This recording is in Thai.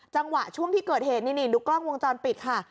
จังหวะช่วงที่เกิดเหตุนี่ดูกล้องวงจรปิดค่ะ